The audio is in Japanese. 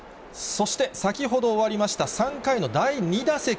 そして先ほど終わりました、３回の第２打席。